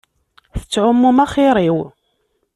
Tettɛummum axiṛ-iw.